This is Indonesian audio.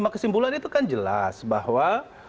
kesimpulan itu kan jelas bahwa